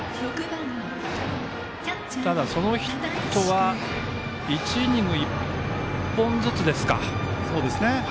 そのヒットは１イニング１本ずつですか。